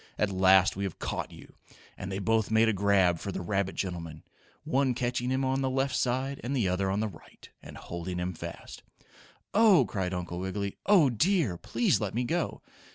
"At last we have caught you!" and they both made a grab for the rabbit gentleman, one catching him on the left side and the other on the right, and holding him fast. "Oh!" cried Uncle Wiggily. "Oh, dear! Please let me go!"